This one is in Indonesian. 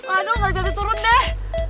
aduh gak jadi turun deh